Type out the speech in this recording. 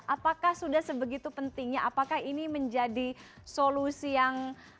apakah sudah sebegitu pentingnya apakah ini menjadi solusi yang